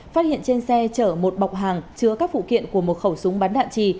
phát hiện trên xe chở một bọc hàng chứa các phụ kiện của một khẩu súng bắn đạn trì